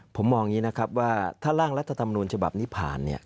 ผมมองอย่างนี้นะครับว่าถ้าร่างรัฐธรรมนูญฉบับนี้ผ่าน